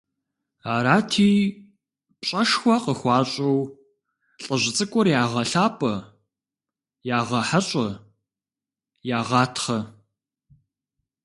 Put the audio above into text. Арати, пщӀэшхуэ къыхуащӀу, лӀыжь цӀыкӀур ягъэлъапӀэ, ягъэхьэщӀэ, ягъатхъэ.